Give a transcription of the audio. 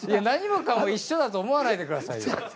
何もかも一緒だと思わないでくださいよ。